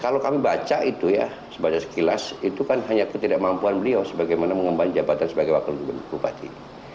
kalau kami baca itu ya sebanyak sekilas itu kan hanya ketidakmampuan beliau bagaimana mengembalikan jabatan sebagai wakil upati